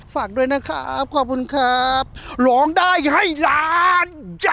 ฝากด้วยนะครับขอบคุณครับร้องได้ให้ล้านจ้ะ